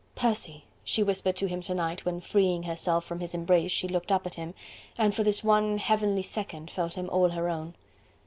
"Percy!" she whispered to him to night when freeing herself from his embrace. She looked up at him, and for this one heavenly second felt him all her own.